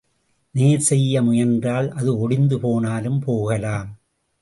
நேர் செய்ய முயன்றால் அது ஒடிந்து போனாலும் போகலாம்.